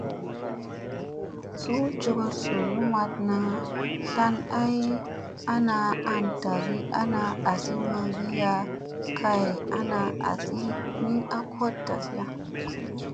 Suu jogoɗ zulli maɗna tlan ay ana an ɗagi ana asi magiya kay ana asi min a koɗtasiya.